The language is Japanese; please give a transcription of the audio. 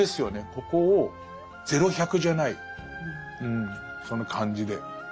ここを０１００じゃないその感じで分かりたい。